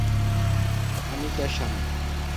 আমি তার স্বামী।